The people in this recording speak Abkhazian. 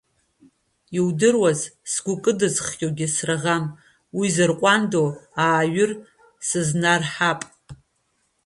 Иудыруаз, сгәы кыдызххьоугьы сраӷам, уи зырҟәандо ааҩыр сызнарҳап.